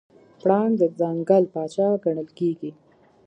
پړانګ د ځنګل پاچا ګڼل کېږي.